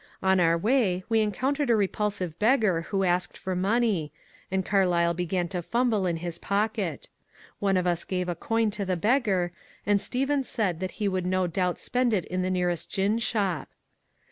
On our way we encountered a repulsive beggar who asked for money, and Carlyle began to fumble in his pocket. One of us gave a coin to the beggar, and Stephen said that he would no doubt spend 404 MONCURE DANIEL CONWAY it in the nearest gin shop.